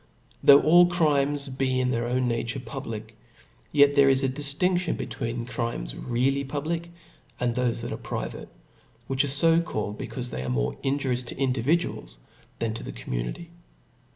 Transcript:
Though all crimes be in their awn nature pub lic, yet there is a diftincaion between crimes really public, and thofe that are private, which are fo called, becaufe they are more injurious to indU viduals tbaato the community.